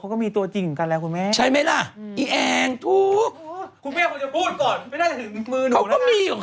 เขามีของเขาอยู่แล้วหรือเปล่า